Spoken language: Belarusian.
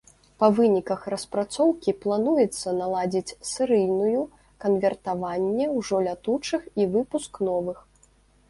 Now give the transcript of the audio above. Па выніках распрацоўкі плануецца наладзіць серыйную канвертаванне ўжо лятучых і выпуск новых.